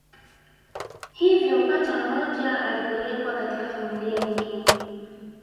Hivyo pacha mmoja alipelekwa katika familia nyingine